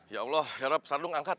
ya allah harap sardung angkat